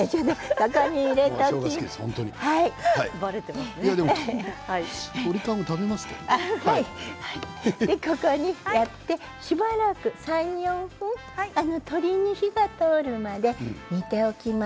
ここに入れてここにやってしばらく３、４分鶏に火が通るまで煮ておきます。